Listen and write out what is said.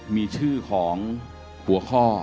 มีชื่อของหัวข้อ